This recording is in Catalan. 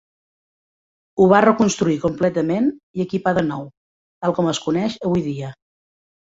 Ho va reconstruir completament i equipar de nou, tal com es coneix avui dia.